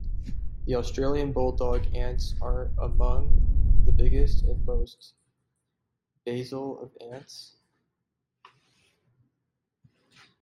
The Australian bulldog ants are among the biggest and most basal of ants.